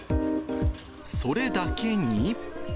それだけに。